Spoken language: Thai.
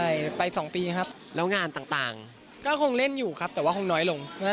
ยังคงอยู่ท้องฟ้า